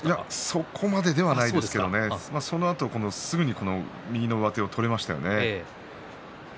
そこまでではないんですけど、そのあとすぐに右の上手が取れましたね。